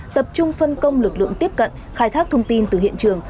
tập trung phân công lực lượng tiếp cận khai thác thông tin từ hiện trường